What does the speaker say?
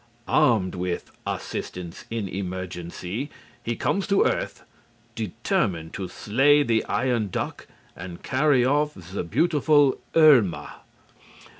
Armed with "Assistance in Emergency" he comes to earth, determined to slay the Iron Duck and carry off the beautiful Irma.